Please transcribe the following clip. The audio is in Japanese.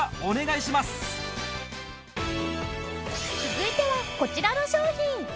続いてはこちらの商品。